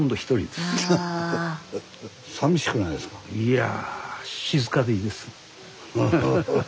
いや。